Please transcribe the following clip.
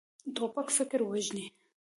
توپک فکر وژني.